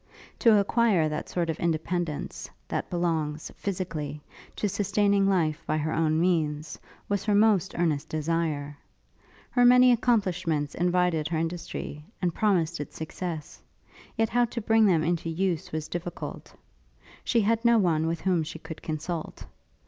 To acquire that sort of independence, that belongs, physically, to sustaining life by her own means, was her most earnest desire: Her many accomplishments invited her industry, and promised it success; yet how to bring them into use was difficult. She had no one with whom she could consult.